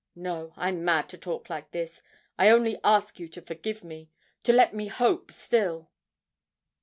No, I'm mad to talk like this I only ask you to forgive me to let me hope still!'